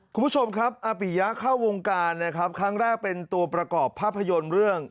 คุณผู้ชมครับอาปิยะเข้าวงการนะครับครั้งแรกเป็นตัวประกอบภาพยนตร์เรื่อง